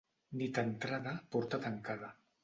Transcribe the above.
Nit entrada, porta tancada.